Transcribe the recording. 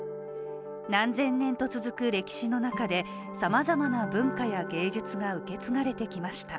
何千年と続く歴史の中でさまざまな文化や芸術が受け継がれてきました。